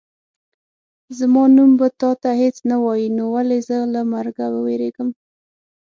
زما نوم به تا ته هېڅ نه وایي نو ولې زه له مرګه ووېرېږم.